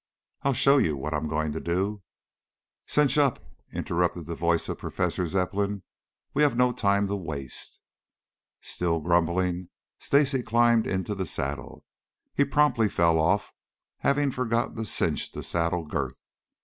I'll show you what I'm going to do." "Cinch up," interrupted the voice of Professor Zepplin. "We have no time to waste." Still grumbling, Stacy climbed into the saddle. He promptly fell off, having forgotten to cinch the saddle girth.